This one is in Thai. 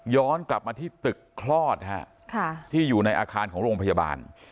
กลับมาที่ตึกคลอดฮะที่อยู่ในอาคารของโรงพยาบาล